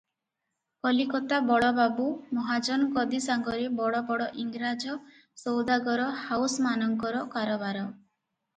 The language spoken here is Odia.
କଲିକତା ବଳବାବୁ ମହାଜନ ଗଦି ସାଙ୍ଗରେ ବଡ ବଡ ଇଂରାଜ ସଉଦାଗର ହାଉସମାନଙ୍କର କାରବାର ।